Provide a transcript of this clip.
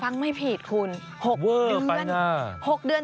ฟังไม่ผิดคุณ๖เดือน